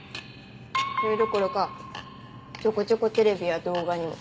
それどころかちょこちょこテレビや動画にも。